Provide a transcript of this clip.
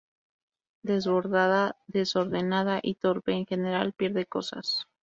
Desbordada, desordenada y torpe en general, pierde cosas.